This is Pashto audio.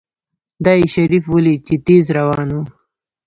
دا يې شريف وليد چې تېز روان و.